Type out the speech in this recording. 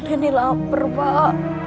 ini lapar pak